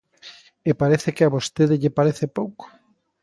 E parece que a vostede lle parece pouco.